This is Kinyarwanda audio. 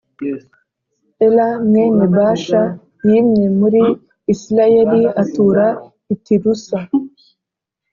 Ela mwene Bāsha yimye muri Isirayeli atura i Tirusa